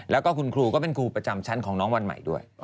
แล้วก็คุณครูก็เป็นครูประจำชั้นของน้องวันใหม่ด้วย